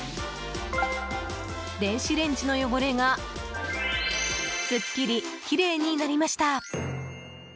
電子レンジの汚れがすっきりきれいになりました！